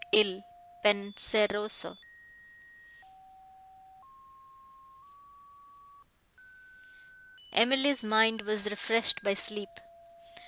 IL PENSEROSO Emily's mind was refreshed by sleep.